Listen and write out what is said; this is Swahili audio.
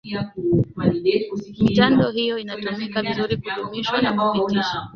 mitando hiyo inatumika vizuri kudumishwa na kupitishwa